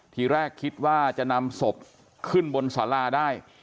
ทีแรกคิดว่าจะนำศพขึ้นบนสาราได้